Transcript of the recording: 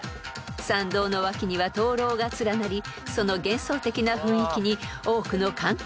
［参道の脇には灯籠が連なりその幻想的な雰囲気に多くの観光客が魅了されます］